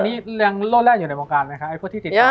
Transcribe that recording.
ตอนนี้ยังโล่นแล่นอยู่ในวงการไหมคะพวกที่ติดต่อ